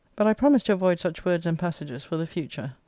But I promised to avoid such words and passages for the future.